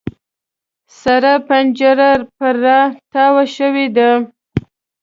سره پنجره پر را تاو شوې ده.